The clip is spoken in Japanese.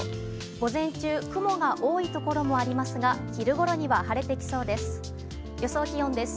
午前中雲が多いところもありますが昼ごろには晴れてきそうです。